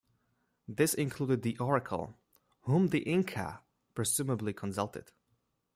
This included the oracle, whom the Inca presumably consulted.